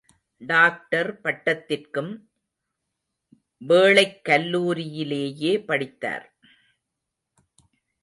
Doctor பட்டத்திற்கும் வேளைக் கல்லூரியிலேயே படித்தார்.